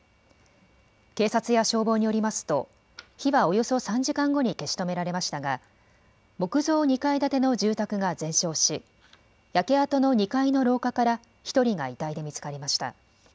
警察や消防によりますと火はおよそ３時間後に消し止められましたが、木造２階建ての住宅が全焼し焼け跡の２階の廊下から１人が遺体で見つかりました。